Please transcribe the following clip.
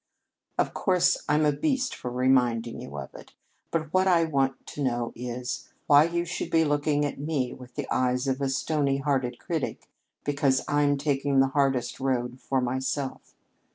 Of course, I'm a beast for reminding you of it. But what I want to know is, why you should be looking at me with the eyes of a stony hearted critic because I'm taking the hardest road for myself.